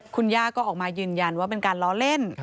คุณย่าก็ออกมายืนยันว่าเป็นการล้อเล่น